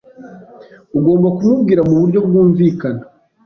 ugomba kumubwira mu buryo bwumvikana